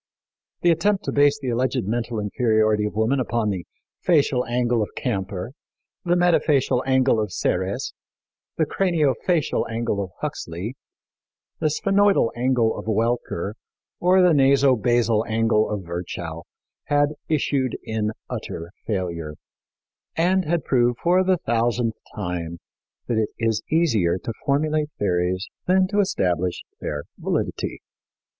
The attempt to base the alleged mental inferiority of woman upon the facial angle of Camper, the metafacial angle of Serres, the craniofacial angle of Huxley, the sphenoidal angle of Welcker, or the nasobasal angle of Virchow had issued in utter failure, and had proved for the thousandth time that it is easier to formulate theories than to establish their validity.